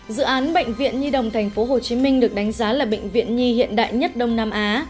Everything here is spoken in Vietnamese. dự án bệnh viện nhi đồng tp hcm được đánh giá là bệnh viện nhi hiện đại nhất đông nam á